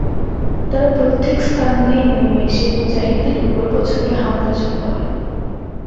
তারা প্রত্যেক স্থান দিয়ে নেমে এসে মুজাহিদদের উপর প্রচণ্ড হামলা শুরু করে।